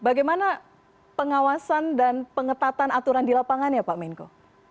bagaimana pengawasan dan pengetatan aturan di lapangan ya pak menko